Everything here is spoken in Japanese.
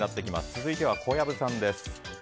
続いては小籔さんです。